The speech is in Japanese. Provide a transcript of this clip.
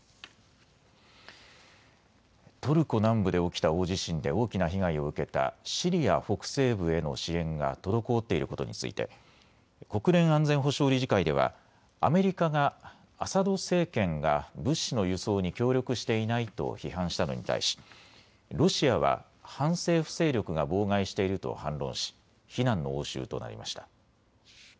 トルコ南部で起きた大地震で大きな被害を受けたシリア北西部への支援が滞っていることについて国連安全保障理事会ではアメリカがアサド政権が物資の輸送に協力していないと批判したのに対しロシアは反政府勢力が妨害していると反論し非難の応酬となりました。